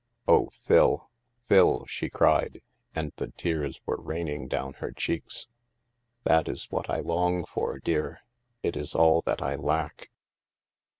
" Oh, Phil, Phil," she cried, and the tears were raining down her cheeks, " that is that I long for, dear. It is all that I lack."